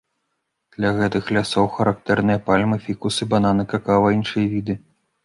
Для гэтых лясоў характэрныя пальмы, фікусы, бананы, какава і іншыя віды.